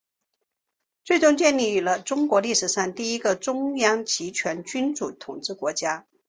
最终建立了中国历史上第一个中央集权君主统治国家。